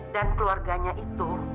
dan keluarganya itu